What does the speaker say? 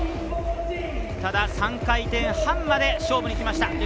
ただ、３回転半まで勝負にきました。